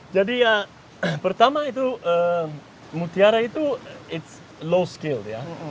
jadi pertama itu mutiara itu low skill ya